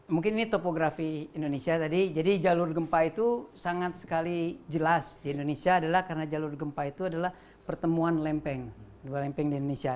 mungkin ini topografi indonesia tadi jadi jalur gempa itu sangat sekali jelas di indonesia adalah karena jalur gempa itu adalah pertemuan lempeng dua lempeng di indonesia